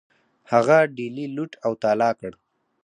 هغه ډیلي لوټ او تالا کړ.